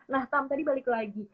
nah tam tadi balik lagi